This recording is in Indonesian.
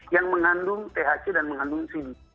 yang mengandung thc dan mengandung cd